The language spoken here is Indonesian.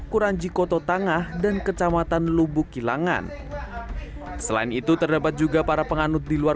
kuranjikoto tangah dan kecamatan lubukilangan selain itu terdapat juga para penganut di luar